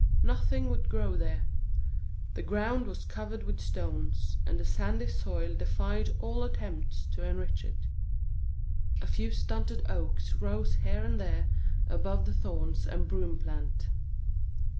Nothing would grow there. The ground was covered with stones, and the sandy soil defied all attempts to enrich it. A few stunted oaks rose here and there above the thorns and broom plant.